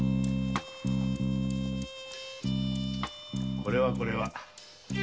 これはこれは。